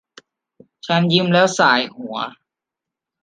ฉันยิ้มและส่ายหัว